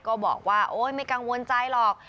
ก็บอกว่าโอ๊ยไม่กังวลใจหรอก